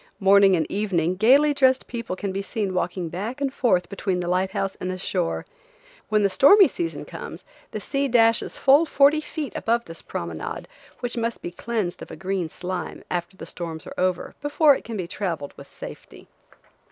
Morning and evening gaily dressed people can be seen walking back and forth between the light house and the shore. When the stormy season comes the sea dashes full forty feet above this promenade, which must be cleansed of a green slime, after the storms are over, before it can be traveled with safety.